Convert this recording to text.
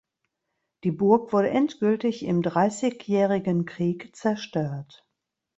Die Burg wurde endgültig im Dreißigjährigen Krieg zerstört.